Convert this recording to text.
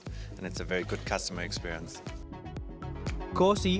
dan itu pengalaman pelanggan yang sangat baik